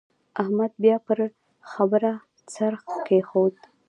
احمد بيا پر خبره څرخ کېښود.